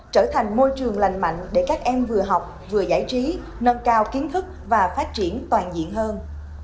trở thành môi trường lành mạnh để các em vừa học vừa giải trí nâng cao kiến thức và phát triển toàn diện hơn